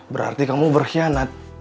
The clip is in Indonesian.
berarti kamu berkhianat